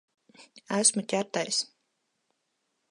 Esmu ķertais.